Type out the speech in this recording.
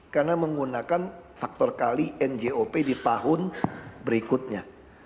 karena menggunakan faktor kali njop di tahun berikutnya